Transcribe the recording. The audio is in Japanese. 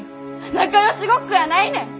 仲よしごっこやないねん！